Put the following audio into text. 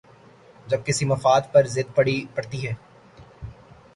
جب کسی مفاد پر زد پڑتی ہے۔